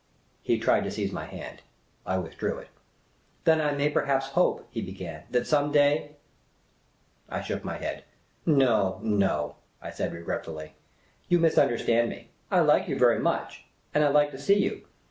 He tried to seize my hand. I withdrew it. " Then I may perhaps hope," he began, " that some day " I shook my head. " No, no," I said regretfully. " You misunderstand me. I like you very much ; and I like to see you.